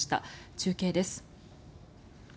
中継です。